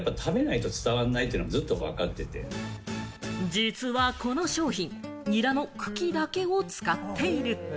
実はこの商品、ニラの茎だけを使っている。